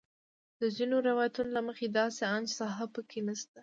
د ځینو روایتونو له مخې داسې انچ ساحه په کې نه شته.